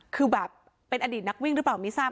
คือแบบเป็นอดีตนักวิ่งหรือเปล่าไม่ทราบ